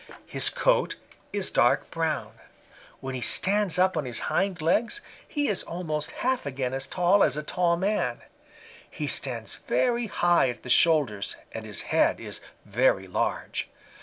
His coat is dark brown. When he stands up on his hind legs, he is almost half again as tall as a tall man. He stands very high at the shoulders and his head is very large.